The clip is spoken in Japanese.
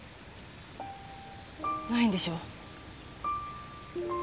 ないんでしょ？